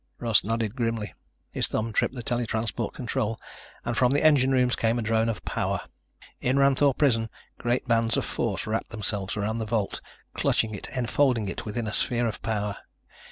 Russ nodded grimly. His thumb tripped the tele transport control and from the engine rooms came a drone of power. In Ranthoor Prison, great bands of force wrapped themselves around the vault, clutching it, enfolding it within a sphere of power.